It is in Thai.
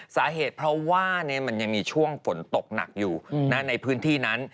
สาเหตุเพราะว่ามันยังมีช่วงฝนตกหนักอยู่ในพื้นที่นั้น